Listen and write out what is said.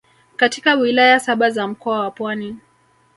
katika Wilaya saba za Mkoa wa Pwani